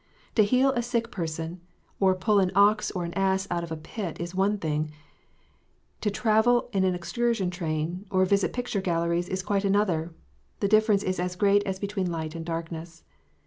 To heal a sick person, or pull an ox or an ass out of a pit, is one thing : to travel in an excursion train, or visit picture galleries, is quite another. The difference is as great as between light and darkness.